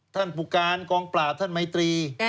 ท่านปุกราณกองประหลาดท่านไหมตรี